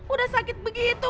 udah sakit begitu